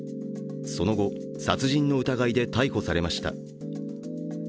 その後、殺人の疑いで逮捕されました。